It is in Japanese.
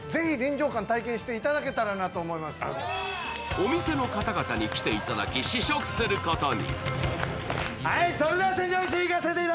お店の方々に来ていただき試食することに。